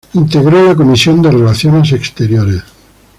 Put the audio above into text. Integró la Comisión de Relaciones Exteriores.